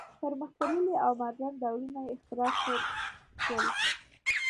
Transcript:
پرمختللي او ماډرن ډولونه یې اختراع کړل شول.